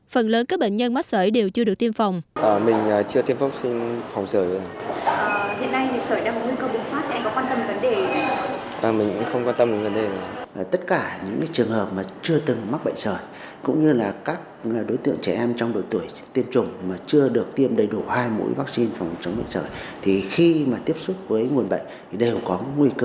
phần lớn các bệnh nhân mắc sởi đều chưa được tiêm phòng